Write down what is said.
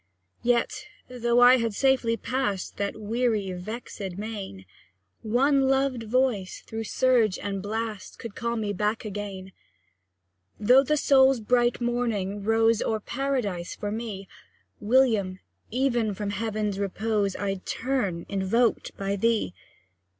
Yet, though I had safely pass'd That weary, vexed main, One loved voice, through surge and blast Could call me back again. Though the soul's bright morning rose O'er Paradise for me, William! even from Heaven's repose I'd turn, invoked by thee!